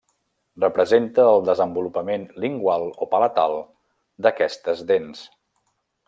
Representa el desenvolupament lingual o palatal d'aquestes dents.